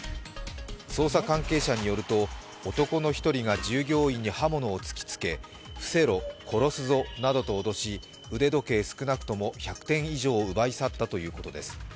捜査関係者によると男の１人が従業員に刃物を突きつけ伏せろ、殺すぞなどと脅し腕時計少なくとも１００点以上を奪い去ったということです。